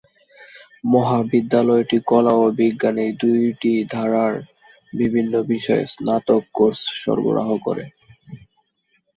মহাবিদ্যালয়টি কলা ও বিজ্ঞান এই দু'টি ধারার বিভিন্ন বিষয়ে স্নাতক কোর্স সরবরাহ করে।